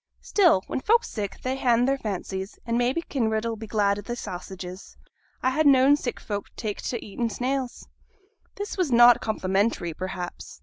'Still, when folk's sick they han their fancies, and maybe Kinraid 'll be glad o' thy sausages. I ha' known sick folk tak' t' eating snails.' This was not complimentary, perhaps.